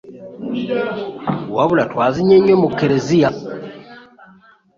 Wabula twazinye nnyo mu kereziya.